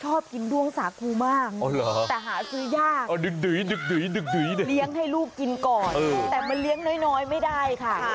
ชอบกินด้วงสาคูมากแต่หาซื้อยากเลี้ยงให้ลูกกินก่อนแต่มันเลี้ยงน้อยไม่ได้ค่ะ